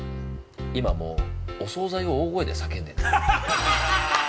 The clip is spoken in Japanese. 今はもう、お総菜を大声で叫んでんのよ。